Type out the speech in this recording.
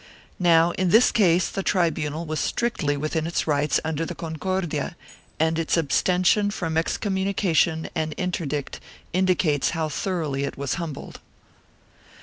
1 Now in this case the tribunal was strictly within its rights under the Concordia and its abstention from excommunication and interdict indicates how thoroughly it was humbled.